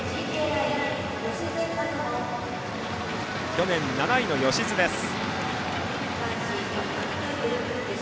去年７位の吉津拓歩です。